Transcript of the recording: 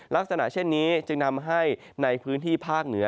ลักษณะเช่นนี้จึงทำให้ในพื้นที่ภาคเหนือ